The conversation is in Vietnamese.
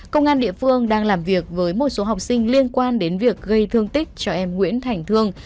công an địa phương đang làm việc với một số học sinh liên quan đến việc gây thương tích cho em nguyễn thành thương